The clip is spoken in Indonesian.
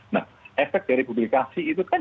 nah efek dari publikasi itu kan